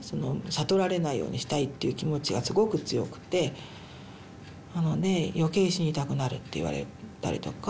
悟られないようにしたいっていう気持ちがすごく強くてなので余計死にたくなるって言われたりとか。